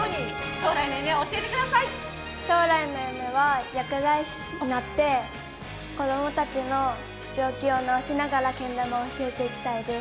将来の夢は薬剤師になって、子供たちの病気を治しながらけん玉を教えていきたいです。